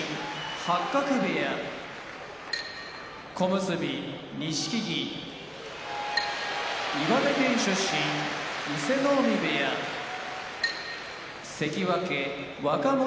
八角部屋小結・錦木岩手県出身伊勢ノ海部屋関脇・若元